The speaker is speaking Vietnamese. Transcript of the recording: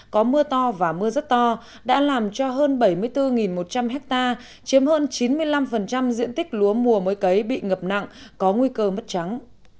có mưa to và mưa rất to đã làm cho hơn bảy mươi bốn một trăm linh ha chiếm hơn chín mươi năm diện tích lúa mùa mới cấy bị ngập nặng có nguy cơ mất trắng